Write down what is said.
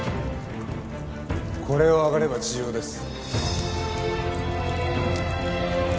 これを上がれば地上です。